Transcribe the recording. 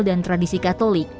dan tradisi katolik